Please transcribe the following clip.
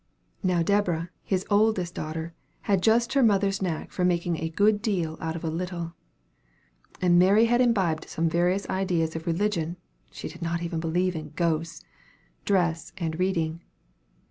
Now Deborah, his oldest daughter, had just her mother's knack of making a good deal out of a little. And Mary had imbibed some very dangerous ideas of religion, she did not even believe in ghosts! dress, and reading.